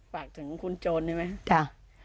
ปากถึงคุณโจญได้ไหมครับ